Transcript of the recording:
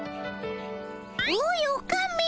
おいオカメ！